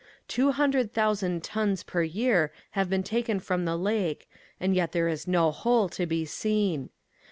Two hundred thousand tons per year have been taken from the lake and yet there is no hole to be seen.